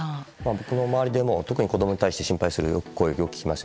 僕の周りでも特に子供に対して心配する声をよく聞きます。